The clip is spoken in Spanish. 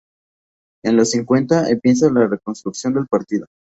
En los cincuenta empieza la reconstrucción del partido.